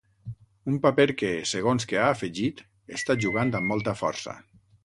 Un paper que, segons que ha afegit, ‘està jugant amb molta força’.